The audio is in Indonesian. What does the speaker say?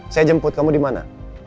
saya jemput kamu dimana